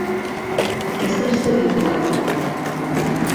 لە سەر سهری دهگەڕێ